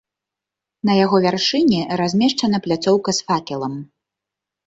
На яго вяршыні размешчана пляцоўка з факелам.